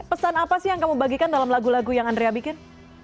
pesan apa sih yang kamu bagikan dalam lagu lagu yang andrea bikin